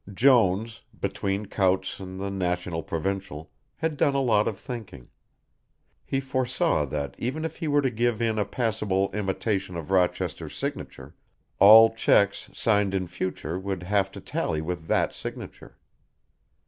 Jones, between Coutts' and the National Provincial, had done a lot of thinking. He foresaw that even if he were to give in a passable imitation of Rochester's signature, all cheques signed in future would have to tally with that signature.